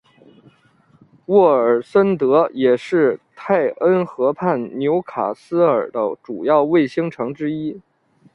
沃尔森德也是泰恩河畔纽卡斯尔的主要卫星城之一。